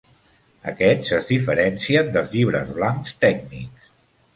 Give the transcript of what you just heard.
Aquests es diferencien dels llibres blancs tècnics.